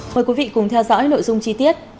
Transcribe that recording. mời quý vị cùng theo dõi nội dung chi tiết